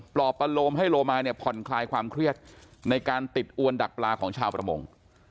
รอบประโลมให้โลมาเนี่ยผ่อนคลายความเครียดในการติดอวนดักปลาของชาวประมง